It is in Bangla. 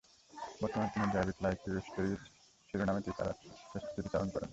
বর্তমানে তিনি "drive it like you stole it" শিরোনামে তিনি তার স্মৃতিচারণ শেষ করছেন।